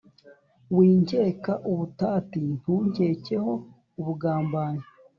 winkeka ubutati: ntunkekeho ubugambanyi